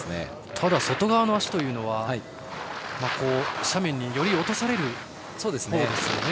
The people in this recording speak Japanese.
ただ外側の足というのは斜面により落とされるほうですね。